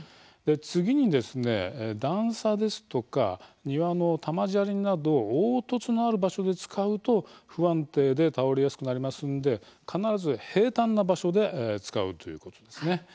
次に段差ですとか庭の玉砂利など凹凸のある場所で使うと不安定で倒れやすくなりますので必ず平たんな場所で使うということですね。